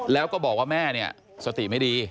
แล้วก็บอกว่าแม่เนี่ยสติไม่ดี